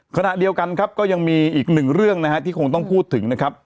ขณะเดียวกันก็ยังมีอีกหนึ่งเรื่องที่คงต้องพูดถึง